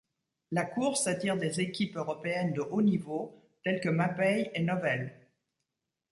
La course attire des équipes européennes de haut niveau telles que Mapei et Novell.